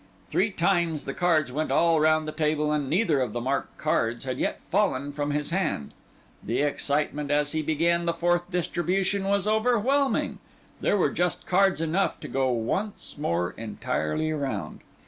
Three times the cards went all round the table, and neither of the marked cards had yet fallen from his hand. The excitement as he began the fourth distribution was overwhelming. There were just cards enough to go once more entirely round.